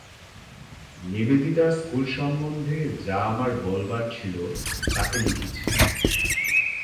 নিবেদিতার school সম্বন্ধে যা আমার বলবার ছিল, তাকে লিখেছি।